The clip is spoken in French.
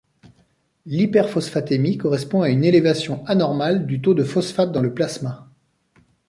L'hyperphosphatémie correspond à une élévation anormale du taux de phosphate dans le plasma.